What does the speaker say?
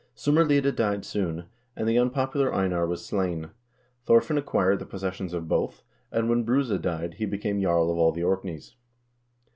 Sumarlide died soon, and the unpopular Einar was slain. Thorfinn acquired the possessions of both, and when Bruse died, he became jarl of all the Orkneys.